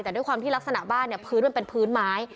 แต่ด้วยความที่ลักษณะบ้านเนี่ยพื้นมันเป็นพื้นไม้